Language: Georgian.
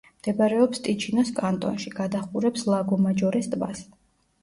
მდებარეობს ტიჩინოს კანტონში; გადაჰყურებს ლაგო-მაჯორეს ტბას.